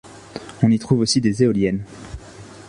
On y trouve aussi des éoliennes.